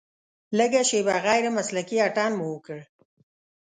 لږه شېبه غیر مسلکي اتڼ مو وکړ.